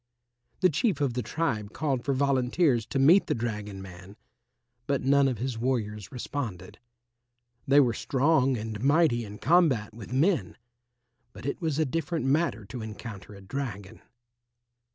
The Chief of the tribe called for volunteers to meet the dragon man, but none of his warriors responded. They were strong and mighty in combat with men, but it was a different matter to encounter a dragon.